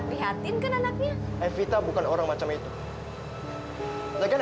serig banget ya